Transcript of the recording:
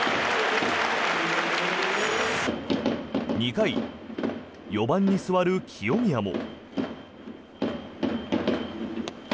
２回、４番に座る清宮も。